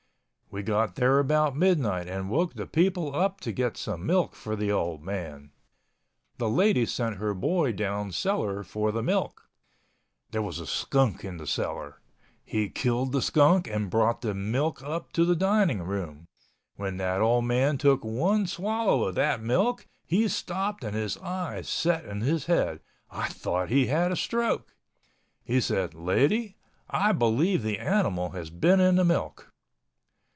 We got there about midnight and woke the people up to get some milk for the old man. The lady sent her boy down cellar for the milk. There was a skunk in the cellar. He killed the skunk and brought the milk up to the dining room. When that old man took one swallow of that milk he stopped and his eyes set in his head. I thought he had a stroke. He said, "Lady, I believe the animal has been in the milk."